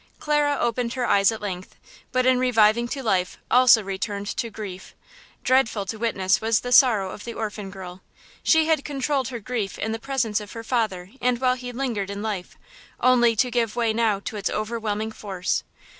Clara opened her eyes at length, but in reviving to life also returned to grief. Dreadful to witness was the sorrow of the orphan girl. She had controlled her grief in the presence of her father and while he lingered in life, only to give way now to its overwhelming force.